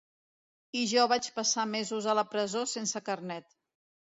I jo vaig passar mesos a la presó sense carnet.